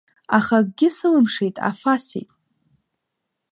Аха акгьы сылымшеит, афасит.